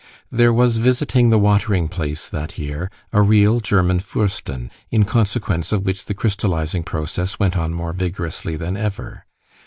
There was visiting the watering place that year a real German Fürstin, in consequence of which the crystallizing process went on more vigorously than ever.